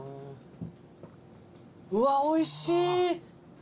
うわおいしい！